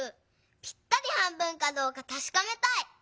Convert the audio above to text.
ぴったり半分かどうかたしかめたい！